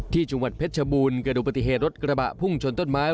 ที่จังหวัดเพชรชบูรณ์เกิดดูปฏิเหตุรถกระบะพุ่งชนต้นไม้